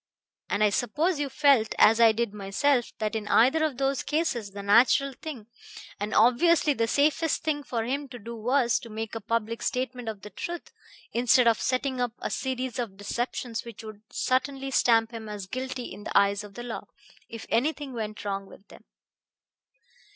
"And I suppose you felt, as I did myself, that in either of those cases the natural thing, and obviously the safest thing, for him to do was to make a public statement of the truth, instead of setting up a series of deceptions which would certainly stamp him as guilty in the eyes of the law, if anything went wrong with them."